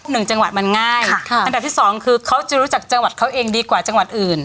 หนึ่งจังหวัดมันง่ายค่ะอันดับที่สองคือเขาจะรู้จักจังหวัดเขาเองดีกว่าจังหวัดอื่น